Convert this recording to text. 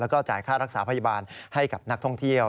แล้วก็จ่ายค่ารักษาพยาบาลให้กับนักท่องเที่ยว